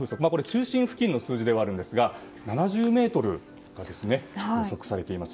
中心付近の数字ではあるんですが７０メートルが予想されています。